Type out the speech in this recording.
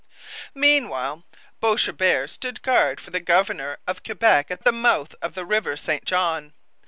Meanwhile Boishebert stood guard for the governor of Quebec at the mouth of the river St John.